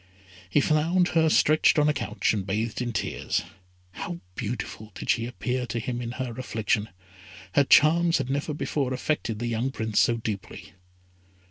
He found her stretched on a couch, and bathed in tears. How beautiful did she appear to him in her affliction. Her charms had never before affected the young Prince so deeply.